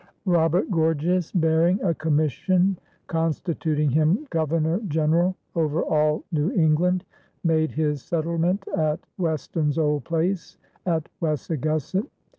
Robert Gorges, bearing a commission constituting him Governor General over all New England, made his settlement at Weston's old place at Wessagusset.